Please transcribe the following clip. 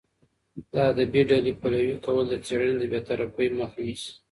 د ادبي ډلې پلوي کول د څېړنې د بې طرفۍ مخه نیسي.